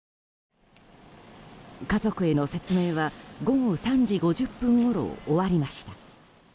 家族への説明は午後３時５０分ごろ終わりました。